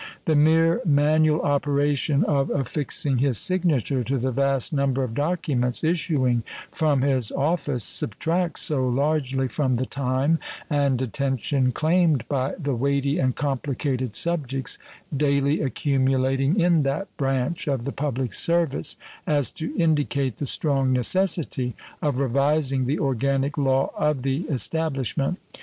The mere manual operation of affixing his signature to the vast number of documents issuing from his office subtracts so largely from the time and attention claimed by the weighty and complicated subjects daily accumulating in that branch of the public service as to indicate the strong necessity of revising the organic law of the establishment.